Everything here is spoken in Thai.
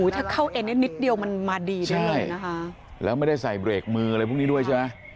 ถ้าเข้าเอ็นได้นิดเดียวมันมาดีได้เลยนะคะแล้วไม่ได้ใส่เบรกมืออะไรพวกนี้ด้วยใช่ไหม